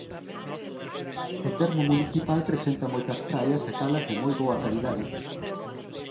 O termo municipal presenta moitas praias e calas de moi boa calidade.